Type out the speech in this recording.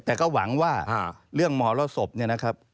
แต่ก็หวังว่าเรื่องมรสบเนี่ยนะครับ